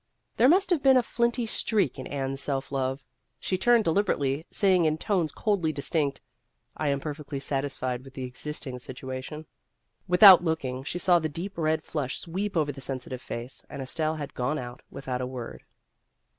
There must have been a flinty streak in Anne's self love. She turned deliber ately, saying in tones coldly distinct, " I am perfectly satisfied with the existing situation." Without looking, she saw the deep red flush sweep over the sensitive face, and Estelle had gone without a word.